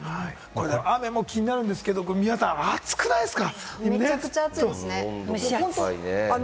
雨も気になるんですけど、皆さん、暑くないですか？